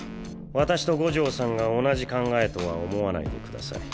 私と五条さんが同じ考えとは思わないでください。